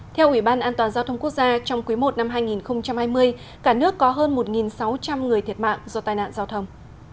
theo ủy ban an toàn giao thông quốc gia trong quý i năm hai nghìn hai mươi cả nước có hơn một sáu trăm linh người thiệt mạng do tai nạn giao thông